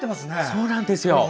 そうなんですよ。